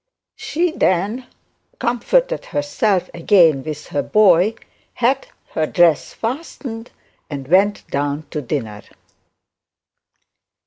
She then comforted herself again with her boy, and her dress fastened, she went down to dinner.